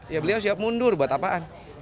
ya beliau siap mundur buat apaan